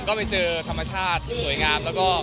ก็ไปเจอธรรมชาติสวยงาม